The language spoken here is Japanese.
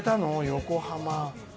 横浜。